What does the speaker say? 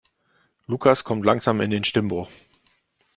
Lukas kommt langsam in den Stimmbruch.